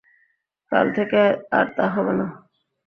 কাল থেকে আর তা হবে না।